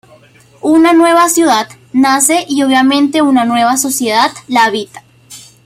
Una nueva ciudad nace y obviamente una nueva sociedad la habita.